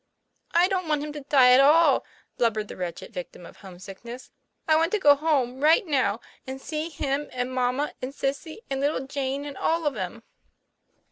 "I don't want him to die at all," blubbered the wretched victim of homesickness. " I want to go home right now, and see him and mamma and Sissy and little Jane and all of 'em."